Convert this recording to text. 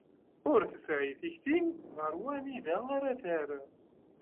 Ur tesɛi tikti ɣer wanida ara terr.